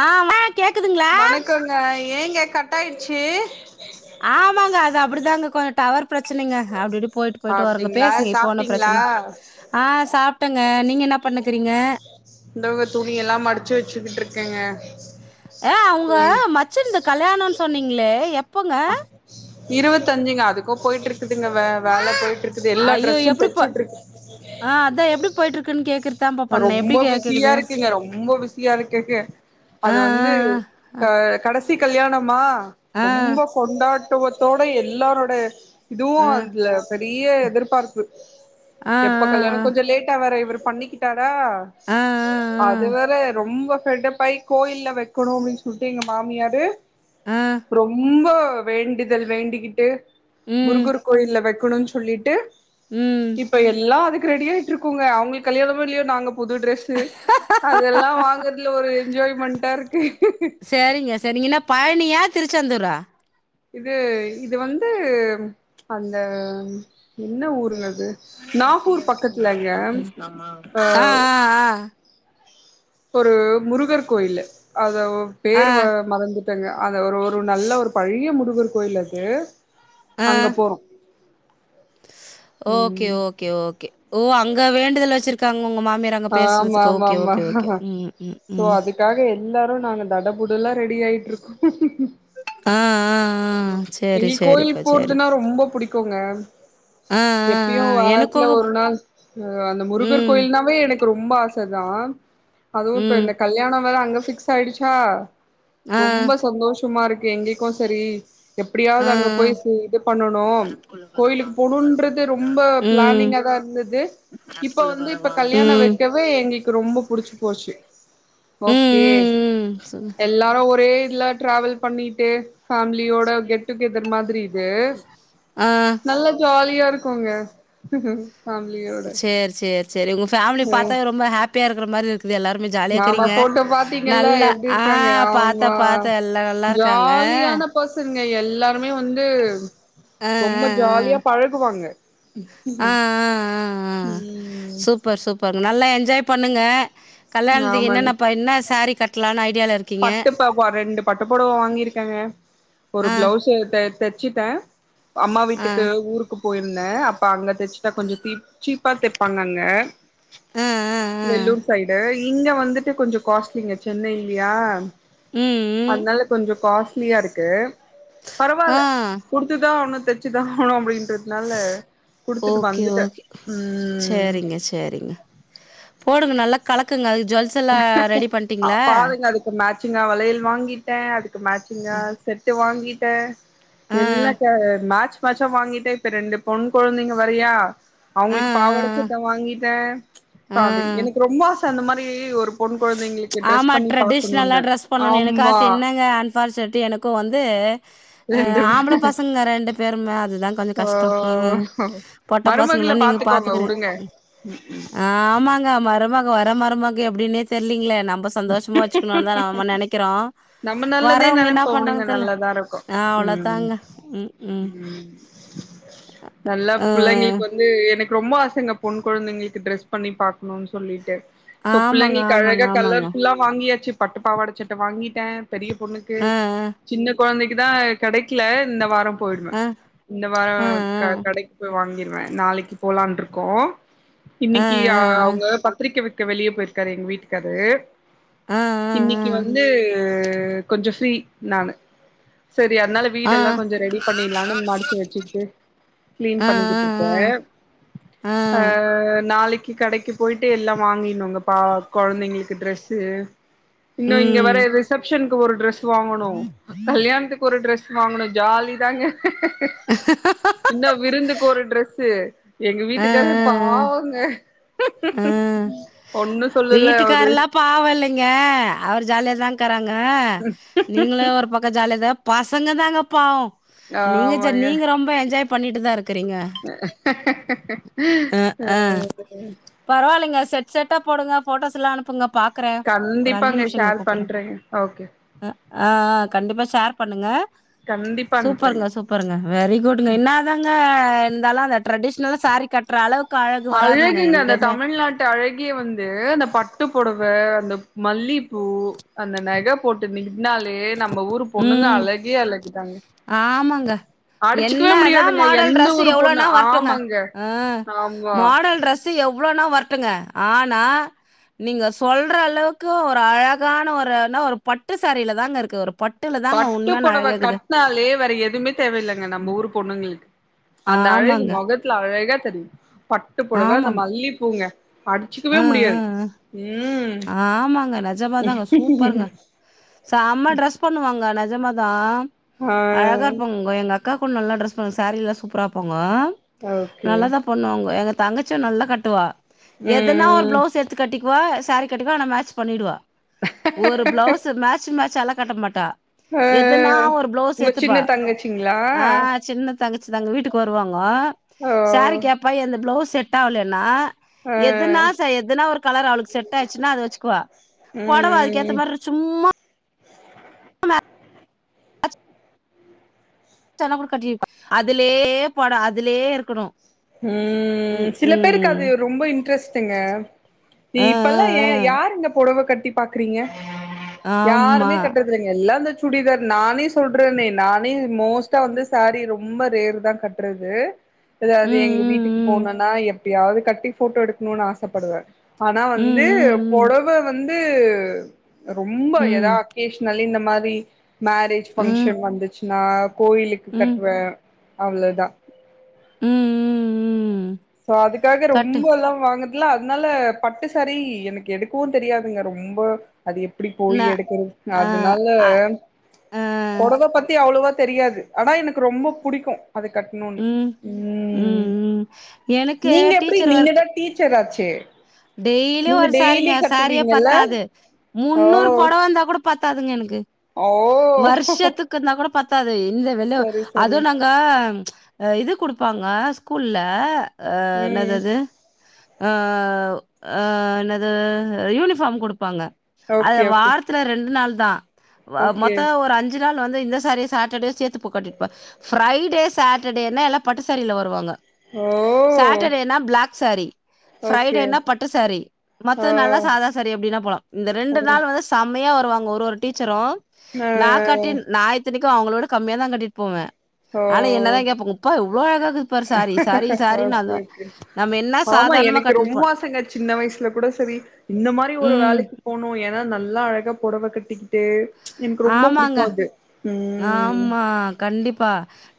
ஆ மா கேக்குதுங்ளா கங்க ஏங்க கட் ஆய்டுச்சி ஆமாங்க அது அப்டிதாங்க கொ டவர் பிரச்சனைங்க அப்டி இப்டி போய்ட்டு போய்ட்டு வருங்க அப்டிங்களா பேசுங்க இப்ப ஒன்னு சாப்ட்டீங்களா பிரச்சன ஆ சாப்ட்டங்க நீங்க என்ன பண்ணுக்குறீங்க இந்தவ துணி எல்லா மடிச்சி வச்சுக்கிட்ருக்கேங்க சேரி சரி இந்த கல்யாணோன் சொன்னீங்ளே எப் அ இருவத்தஞ்சுங்க அதுக்கு போயிட்ருக்குதுங்க வ வேல போய்ட்ருக் இது எல்லா ஐயோ டிரெஸ்ஸு எப்படி போ தச்சிட்ருக்க ஆ அதா எப்டி போய்ட்ருக்குன் கேக்கற் நா ரொம்போ பிஸியா இருக்கேங்க ரொம்போ பிஸியா இருக்கேங்க ஆ அது வந்து ஆ இப்ப கடஸ் சி கல்யாணமா ஆ ரொம்ப கொண்டாட்டத்தோட எல்லாரோட இதுவு ஆ அதுல பெரிய எதிர்பார்ப்பு ஆ ஆ எப்ப கல்யாணம் கொஞ்சோ லேட்டா வேற இவரு பண்ணிகிட் ரா ஆ ஆ அது வேற ரொம்போ கடுப்பாய் கோயில்ல வைக்கணு அப்டின் சொல்ட்டு எங்க மாமியாரு ஆ ஆ ரொம்ப வேண்டுதல் வேண்டிக்கிட்டு ம் முருகர் கோயில்ல வைக்கணு சொல்லிட்டு ம் இப்ப எல்லா அதுக்கு ரெடியாய்ட்ருக்கோங்க அவுங்ளுக் கல்யாணமோ இல்லையோ நாங்க புது டிரெஸ் டிரெஸ் அதெல்லா வாங்கற்துல ஒரு என்ஜாய்மெண்ட்டா இருக்கு சேரிங்க செரிங்க என்ன பழனியா திருச்செந்தூரா இது இது வந்து அந்த என்ன ஊருங்க அது நாகூர் ஆ பக்கத்துலங்க ஆ ஆ ஒரு முருகர் கோயில்லு அதவ் ஆ பேரு மற ஆ மறந்துர் டங்க அந்த ஒரு ஒரு நல்ல ஒரு பழைய முருகர் கோயில் அது ஆ அங்க போறோ ஓகே ம் ஓகே ஓகே ஓ அங்க வேண்டுதல் வச்சிருக்காங்க உங்க மாமியாரா அங்க ஆமா பேசுறதுக்கு ஓகே ஓகே ஓகே ம் ம் ம் காக எல்லாரு நாங்க தடபுடலா ரெடி ஆய்ட்ருக்கோ ஆ, ஆ, ஆ. ஒன்னா சரி, எங்ளுக்கு சரிப்பா, கோயிலுக் சரிப் போற்துன்னா ரொம்பா புடிக்குங்க ஆ, ஆ, எப்பியு ஆ. வாரத்துல எனக்கும் ஒரு நாள் ஆ அந்த முருகர் ம், கோயில்னாவே எனக் க்கு ரொம்ப ஆசதா அதுவு இப்ப ம். இந்த கல்யாணோ வேற அங்க ஃபிக்ஸ் ஆய்டுச்சா ஆ, ரொம்ப சந்தோஷமா இருக்கு எங்கள்க்கு சரி ஆ, ஆ. எப்டியாவ்து அங்க போய் செ இது பண்ணனு கோயிலுக்கு போணுன்றது ரொம்ப ம், பிளானிங்காதா இர்ந்தது இப்ப வந்து இப்ப கல்யாணோ ம். வைக்கவு வே எங்களுக்கு ரொம்ப புடிச்சு போச்சு ம், ஓகே ம், ம். சொல்லு. எ எல்லாரு ஒரே இதுல டிராவல் பண்ணிட்டு ஃபேம்லியோட கெட் டுகெதர் மாதிரி இது ஆ. நல்ல ஜாலியா இருக் கோங்க சேர் சேர் சேரி உங்க ஃபேம்லி பாத்தாவே ரொம்ப ஹாப்பியா இருக்குற மாரி இருக்குது எல்லாருமே ஜாலியா ஆமா இர்க்குறீங்க போட்டோ பாத்தீங்கல்ல நல்லா எப்டி ஆ இருக்காங்க அவங்க பாத்த பாத்த எல்லா நல்லா இருக்காங்க பசுங்க எல்லாருமே வந்து அ, அ, ரொம்ப அ. ஜாலியா பழகுவாங்க ஆ, ஆ, ஆ ஆ ம் சூப் பர் நல்லா என்ஜாய் பண்ணுங்க கல்யாண்த்துக்கு ஆமாங்க என்னென்ன இப்ப என்ன சாரீ கட்லான் ஐடியால இரு பட்டுப்பவா ரெண்டு பட்டு புடவ வாங்கிருக்கங்க ஒரு ஆ, பிளவ்ஸு த தச்சிட்ட அம்மா ஆ, வீட்டுக்கு ஊருக்கு போயிர்ந்த அப்ப அங்க தச்சிட்டா கொஞ்சோ தீ சீப்பா தெப்பாங்க அங்க ஆ, ஆ, ஆ. வேலூர் சைடு இங்க வந்துட்டு கொஞ்சோ காஸ்ட்லிங்க சென்னை இல்லையா ம் ம். அதனால கொஞ்சோ காஸ்ட்லியா இருக்கு ஆ. பரவால குடு த்துதா அவன தெச்சிதா போனு அப்படின்றது னால குடுத்துட்டு ஓகே, வந்துட்ட ம் செரிங்க போடுங்க நல்லா கலக்குங்க அது ஜுவல்ஸ் எல்லா ரெடி பண்ட்டிங்களா க்கு மேட்சிங்கா வளையல் வாங்கிட்டே அதுக்கு மேட்சிங்கா அ, செட்டு வாங்கிட்டே ஆ, எல்லா கா மேட்ச் மேட்ச்சா வாங்கிட்டே இப்ப ரெண்டு பொண் கொழந்தைங்க வெறயா ஆ, அவங்களுக்கு பாவாட சட்ட வாங்கிட்டே ஆ, பாபி ஆ. எனக்கு ரொம்ப ஆச அந்த மாரி ஒரு பொண் கொழந்தைங்களுக்கு ட்ரெஸ் ஆமா பண்ணி ட்ரெடிஷ்னலா பாக்கணுன்னு ஆம்மா பால் செட்டு எனக்கு வந்து ஆ ஆம்பள ரெண்டு பசங்க ரெண்டு பேருமே அது தா கொஞ்சோ ஓ கஷ்டோ ம் பொட்ட மருமகள பசங்கனா நீங்க பாத்துக்கோங்க பாத்துக்குற உடுங்க ஆமாங்க மருமக வர மருமக எப்டின்னே தெர்லீங்களே நம்ப சந்தோஷமா வெச்சுக்கணுன்னு தா நாம நெனைக்கிறோ நம்ப நல்லதே வரவங்க என்ன நெனைப்போ பண்றாங்க உடுங்க தெர்ல நல்லதா இருக்கோ ஆ ம் அவ்ளோதாங்க ம் ம் நல்லா ஆ புள்ளைங்ளுக்கு வந்து எனக் ரொம்ப ஆசங்க பொன் குழந்தைங்களுக்கு டிரெஸ் பண்ணி பாக்குனுன் சொல்லிட்டு சோ ஆமாங்க புள்ளைங்ளுக்கு ஆமாங்க அழகா ஆமாங்க கலர் ல்லா வாங்கியாச்சு பட்டு பாவாட சட்ட வாங்கிட்ட பெரிய பொண்ணுக்கு ஆ சின்ன கொழந்தைக்கு தா கெடைக்கில இந்த வாரோ போயிடுவ ஆ இந்த வாரோ ஆ க ஆ கடைக்கு போய் வாங்கிர்வ நாளைக்கு போலான்டுருக்கோ ஆ இன்னிக்கி ஆ அவுங்க பத்திரிக்க வெக்க வெளிய போயிருக்காரு எங்க வீட்டுக்காரு ஆ ஆ ஆ இன்னிக்கு வந்து கொஞ்ச ஃப்ரீ நானு சேரி அதுனால ஆ ஆ வீடெல்லா கொஞ்ச ரெடி பண்ணிடலானு மடிச்சு வெச்சுட்டு கிளீன் ஆ, ஆ, பண்ணிக்கிட்டுருக்கே ஆ, அ ஆ, நாளைக்கு கடைக்கு போயிட்டு எல்லா வாங்கிடுனுங்க பா கொழந்தைங்ளுக்கு ட்ரெஸ் சு இன்னு இங்க வரா ம். ரிசப்ஷனுக்கு ஒரு டிரஸ் வாங்கணு கல்யாண்துக்கு ஒரு ட்ரெஸ் வாங்கணு ஜாலி தாங்க [inaudible] இன்னு விருந்துக்கு ஒரு ட்ரெஸ்ஸு எங்க ஆ, ஆ, ஆ. வீட்டுக்காரு பாவங்க [inaudible] சொல்லல அவரு வீட்டுக்காரல்லா பாவ இல்லங்க அவர் ஜாலியாதாங் கராங்க நீங்கலு ஒரு பக்க ஜாலியதா பசங்க தாங்க பாவோ நீங்க ஜ நீங்க ரொம்ப என்ஜாய் பண்ணிட்டு தாரு அ அ, ஆ. அ பரவாயில்லைங்க செட் செட்டா போடுங்க ஃபோட்டோஸ் எல்லா அனுப்புங்க பாக்கற ஒரு அஞ்சு கண்டிப்பாங்க நிமிஷங்க ஷேர் கூப்பற பண்றேங்க ஓகே ஆ கண்டிப்பா ஷேர் பண்ணுங்க கண்டிப்பா அனுப்புறேங்க சூப்பருங்க சூப் பருங்க வெரி குட்ங்க என்னாதாங்க இருந்தாலு அந்த ட்ரெடிஷனல்லா சேரி கற்ற அள அழகுங்க இந்த தமிழ்நாட் அழகிய வந்து அந்த பட்டு புடவ அந்த மல்லிப்பூ அந்த நக போட்டு நின்னாலே நம்ம ஊரு பொண்ணுங்க ம் அழகே அழகு தாங்க ஆமாங்க என்ன தா முடியாதுங்க மாடல் எந்த ட்ரெஸ் ஒரு பொண்ணு எவ்ளோனா வர்டுங்க ஆமாங்க அ ஆமா மா டல் ட்ரெஸ் எவ்ளோனா வர்ட்டுங்க ஆனா நீங்க சொல்ற அளவுக்கு ஒரு அழகான ஒருனா ஒரு பட்டு சாரில தாங்க இருக்கு ஒரு பட் பட்டுப்புடவ கட் ட்னாலே வேற எதுமே தேவ இல்லங்க நம்ம ஊரு பொண்ணுங்களுக்கு அந்த அழகு ஆமாங்க மொகத் துல அழகா தெரியு பட்டு பொடவ ஆமாங்க அந்த மல்லி பூங்க ம், அடுச்சுக்கவே முடியாது ம். ம் ஆமாங்க. நெஜமா தாங்க. சூப்பருங்க. செம்ம டிரஸ் பண்ணுவாங்க நெஜமாதா ஆ அழகா இருப்பாங் வ எங்க அக்கா கூ நல்லா ட்ரெஸ் பண்ண சாரீல்லா சூப்பரா வப்பாங்க ஓகே நல்லதா பண்ணுவாங்க எங்க தங்கச்சியு நல்லா கட்டுவா எதுனா ஒரு ம் ப்ளவுஸ் எடுத்து கட்டிக்குவா சாரீ கட்டிக்குவா ஆனா மேச் பண்ணிடுவா ஒரு பிளவுஸ் மேட்சுக் மேச்சாலா கட்ட மாட்டா ஆ எதுனா ஒரு பிளவுஸ் உங்க எடுதுப்பா சின்ன தங்கச்சிங்களா ஆ சின்ன தங்கச்சி தாங்க வீட்டுக்கு வருவாங்கோ ஓ சாரீ கேப் ப்பா எந்து பிளவுஸ் செட் ஆவுலேனா ஆ எதுனா ச எதுனா ஒரு கலர் அவளுக்கு செட் ஆச்சுனா அது வச்சுக்குவா பொடவ ம் அதுக்கேத்த மாரி சும்மா அ மே சான்ன கூட கட்டிருப்பா அதுலேயே பட அதுலேயே இருக்கணு ம் சில பேருக்கு அது ரொம்ப இன்ட்ரெஸ்ட்டுங்க நீ ஆ ஆ இப்பல்லா எ ஆ யாரு இந்த பொடவ கட்டி பாக்குறீங்க ஆமா யாருமே கட்றது துங்க எல்லா இந்த சுடிதார் நானே சொல்றேனே நானே மோஸ்ட்டா வந்து சாரி ரொம்ப ரேர் தா கட் ட்றது அ இப்ப ம் எங்க வீட்டுக்கு ம் போனுனா எப்டியாவது கட்டி ஃபோட்டோ எடுக்கணுனு ஆச படுவே ஆனா வந்து ம் பொடவ வந்து ரொம்ப ம் எதா ம் அக்கேஷ்னலி இந்த மாரி மேரேஜ் ம் ம் பங்ஷன் வந்துச்சுன்னா கோயிலுக்கு ம் ம் ம் கட்டுவே அவ்ளோதா ம் ம் ம் சோ அதுக்காக ரொம்போல்லா வாங்க ல்ல அதுனால பட்டுசாரி எனக்கு எடுக்கவு தெரியாதுங்க ரொம்ப அது எப்டி ந போய் எடுக்கறது ஆ அதுனால அ ஆ பொடவ பத்தி அவ்ளோவா தெரியாது ஆனா எனக்கு ரொம்ப புடிக்கு அது கட்ணுனு ம். ம் ம் எனக் நீங்க எப்டி நீங்க தா டீச்சர் ஆச்சே டெய்லி நீங்க ஒரு டெய்லி சாரீங்க சாரீயே கட்டுவீங்கல்ல பத்தாது ஓ முந்னூறு பொடவ வந்தா கூட பத்தாதுங்க எனக்கு ஓ வருஷத்துக்கு இருந்தா கூட பத்தாது இந்த வெளோ சரி அது சரி நாங்க க்க இது குடுப்பாங்க ஸ்கூல்ல அ என்னாது ம் அது ஆ ஆ என்னது யூனிஃபார்ம் குடுப்பாங்க அது ஓகே ஓகே வாரத்துல ரெண்டு நாள் தா அ ஓகே மொத்த ஒரு அஞ்சு அஞ்சு நாள் வந்து இந்த சாரிய சாட்டர்டே சேத்து போ கட்டிட்பே ஃப்ரைடே சாட்டர்டே னா எல்லா பட்டுசாரில வருவாங்க ஓ சாட்டடேனா பிளாக் சாரி ஃப்ரை ஓகே டேனா ஓ பட்டுசாரி ஆ மத்தது நாள்ளா சாதாசாரி அப்டினா போலா இந்த ரெண்டு ஓ நாள் வந்து செம்மையா வருவாங்க ஒரு ஒரு டீச்சரு நா கட்டி நாயித் இத்தனைக்கு அவுங்களோட கம்மியா தா கட்டிட்டு போவே ஆனா என்னதா கேப்பாங்க உப்பா இவ்ளோ அழகா இருக்குது பாரு சாரி சாரி ஓகே சாரின்னு அது நம்ம என்னா சாதாரணமா கட்டினு போ பசங்க சின்ன வயசுல கூட செரி இந்த மாரி ஒரு ம் வேலைக்கு போனு ஏனா நல்லா அழகா பொடவ கட்டி டு எனக்கு ரொம்ப ஆமாங்க புடிக்கு அது ம் ஆமா கண்டிப்பா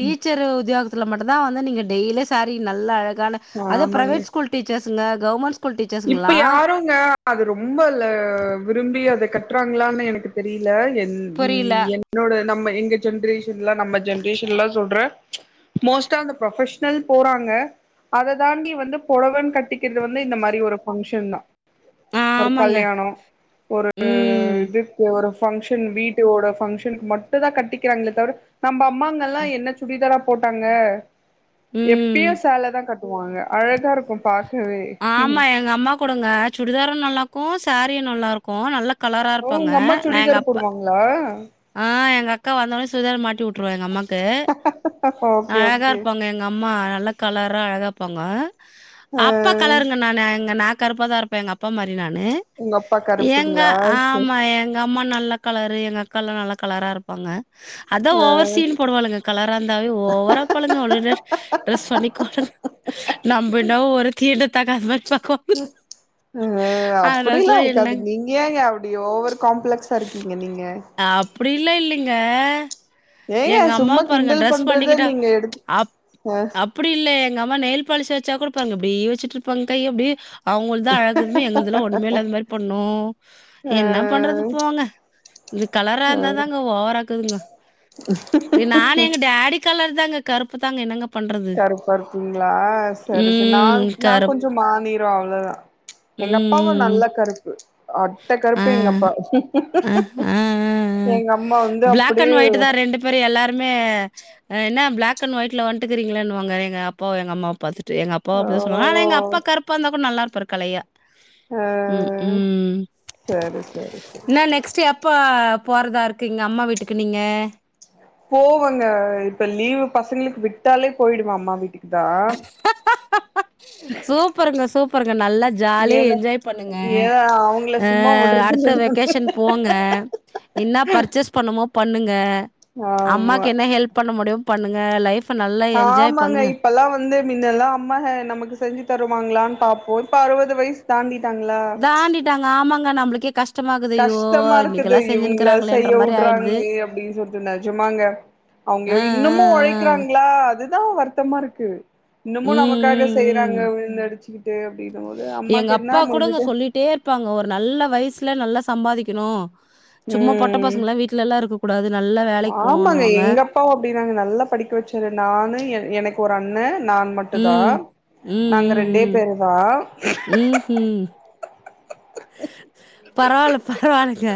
டீச்சர் உத்தியோகத்துல மட்டுதா வந்து நீங்க டெய்லி சாரி நல்ல அழ கான அது ஆமாங்க பிரைவேட் ஸ்கூல் டீச்சர்ஸுங்க கவர்மண்ட் ஸ் இப்ப யாரும் அது ரொம்ப விரும்பி அத கட்டுறாங்களான்னு எனக்கு தெரில என் புரியல ம் என்னோட நம்ம எங்க ஜென்ரேஷன் எலாம் நம்ம ஜென்ரேஷன்லாம் சொல்ற மோஸ்ட்டா அந்த புரொபஷனல் போறாங்க அத தாண்டி வந்து பொடவனு கட்டிக்கறது வந்து இந்த மாரி ஒரு பங்சன் தா ஒரு ஆமாங்க கல்யாணம் ஒரு ம் இது இப்ப ஒரு பங்க்ஷன் வீட்டோட பங்க்ஷனுக்கு மட்டு தா கட்டிக்கறாங்களே தவிர நம்ம அம்மாங்கல்லாம் என்ன சுடிதாரா போட்டாங்க எப்பயு ம். சேல தா கட்டுவாங்க அழகா இருக்கும் பாக்கவே ஆ ஆமா எங்க அம்மா கூடங்க சுடிதாரும் நல்லா இருக்கும் சேரியும் நல்லா இருக்கும் நல்லா கலரா இருப்பாங்க நா எங்க அப்பா ஹலோ ஆ எங்க அக்கா வந்தோனே சுடிதார மாட்டி விட்ருவா எங்க அம்மாக்கு் ஓகே அழகா ஓகே இருப்பாங்க எங்க எங்க அம்மா நல்ல கலரா அழகா இப்பாங்க ஆ அப்பா கலருங்க நானு எங்க நா கருப்பா தா இருப்பேன் எங்க அப்பா மாதிரி நானு உங்க அப்பா எங்க கருப்புங்களா சரி ஆமா எங்க எங்க அம்மா நல்ல கலரு எங்க அக்காலா நல்ல கலரா இருப்பாங்க அதான் ஓவர் சீன் போடுவாலுங்க கலரா இருந்தாவே ஓவரா பாலுங்க அவளுக ட்ரெஸ் பண்ணிக் நம்மனா ஒர தீண்டத்தகாதவ மாதிரி பக்கோ உ அப்டிலாம் ட்ரெஸ்லாம் இருக்காது என்னங்க நீ ஏங்க அப்டி ஓவர் காம்ப்ளெக்ஸ்ஸா இருக்கீங்க நீங்க அப்டில்லாம் இல்லிங்க ஏங்க எங்க அம்மா சும்மா பாருங்க கிண்டல் ட்ரிரெஸ் பண்றத பண்ணிக்கிட்டா நீங்க எடுத்து ஆப் ஆ ஆப் அப்டி இல்ல எங்க அம்மா நெயல் பாலிஷ் வச்சா கூட அப்டி வச்சுட்டுருப்பாங்க கை அப்டி அவங்க தான் அழகுதுமே எங்களுக்கெல்லாம் ஒண்ணுமே இல் அந்த மாரி பண்ணும் ஆ என்ன பண்றது போாங்க இந்தது கலரா இருந்தா தாங்க ஓவராக்குதுங்க நானு எங்க டேடி கலர் தாங்க கறுப்பு தாங்க என்னங்க பண்றது? கருப்பா இருப்பிங்களா சரி சரி நா ம். நா கருப் கொஞ்சம் மாநிறம் அவ்ளவுதா எங்க அப்பாவு ம். நல்ல கருப்பு அட்ட ஆ. கருப்பு எங்க அப்பா அ, ஆ, ஆ, ஆ. எங்க அம்மா வந்து அப்டிய அப்ரோ எல்லாருமே என்ன பிளாக் அண்ட் ஒயிட்ல வந்ட்டுக்கறீங்களேன்னனுவாங்க எங்க அப்பாவ எங்க அம்மாவ பாத்துட்டு தே எங் அப்பா அப்டிதா சொல்லாங்க ஆனா எங்க ஓ அப்பா கருப்பா இருந்தா கூட நல்லா இருப்பாரு கலையா ஆ உம் உம் சரி சரி சரி இன்னா நெக்ஸ்ட் எப் ப்போ போறதா இருக்குங்க அம்மா வீட்டுக்கு நீங்க போவங்க இப்ப லீவு பசங்களுக்கு விட்டாலே போயிடுவ அம்மா வீட்டுக்கு தா சூப்பருங்க சூப்பருங்க நல்ல ஜாலிய ஏனா என்ஜாய் பண்ணுங்க ஏ அவங்கள சும்மா அடுத்த விடுறதில்ல நானு வெகேஷன் போங்க என்ன பர்ச்சேஸ் பண்ணமோ பண்ணுங்க அம்மாக்கு ஆமா என்ன ஹெல்ப் பண்ண முடியும் பண்ணுங்க லைஃப் ஆமாங்க இப்லாம் வந்து வந்த மின்னெல்லாம் அம்மா நமக்கு செஞ்சு தருவாங்களான்னு பாப்போம் இப்ப அருவது வயசு தாண்டிட்டாங்களா தாண்டிட்டாங்க ஆமாங்க நம்மளு கஷ்டம் கஷ்டமா இருக்குது இவங்கள செய்ய மாரி ஆயிடுது உட்றாங்களே அப்டின்னு சொல்ட்டு நிஜமாங்க அவங்க அ அ இன்னுமும் ஒழை அ க்கறாங்களா அதுதா வருத்தமா இருக்கு இன்னமும் ம் நமக்காக ம் செய்யறாங்க ம் விழுந்துடிச்சுக்கிட்டு எங்க அம்மாக்கு அப்பா என்ன கூடங்க முஞ்சது சொல்லிட்டே இருப்பாங்க ஒரு நல்ல வயசுல நல்லா சம்பாதிக்கணு சும்மா பொட்ட ம் பசங்ளா வீட்ல எல்லாருக்க கூடாது நல்லா வேலைக்கு ஆமாங்க போனனுன்னுவாங்க எங்க அப்பாவு அப்டினாங்க நல்லா படிக்க வச்சாரு நானு ஏ எனக்கு ஒரு அண்ண நான் மட் டுதா ம். நாங்க ரெண்டே பேரு தா உம் உம் பரவாயில்ல பரவாயில்லங்க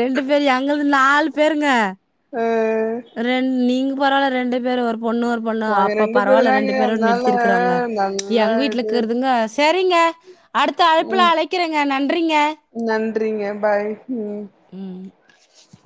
ரெண்டு பேரு எங்கள்து நாலு பேருங்க அ ரெண் நீங்க பரவாயில்ல ரெண்டு பேர் ஒரு பொண்ணுருற் பொண்ணோ நாங்க அப்போ ரெண்டு பேரு பரவாயில்ல தாங்க ரெண்டு பேரும் அதனால நிறுத்திருக்கிறாங்க நல்லா எங்க வீட்ல இது இருக்கிறதுங்கஸ் தெரிங்க அடுத்த அழைப்புல ம் அழைக்கிறேங்க நன்றிங்க நன்றிங்க பாய் ம்